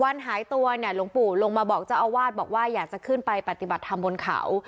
วันหายตัวเนี่ยหลวงปู่ลงมาบอกเจ้าอาวาสบอกว่าอยากจะขึ้นไปปฏิบัติธรรมบนเขา